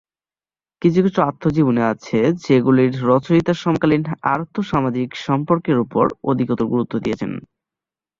কিছু কিছু আত্মজীবনী আছে যেগুলির রচয়িতা সমকালীন আর্থ-সামাজিক সম্পর্কের ওপর অধিকতর গুরুত্ব দিয়েছেন।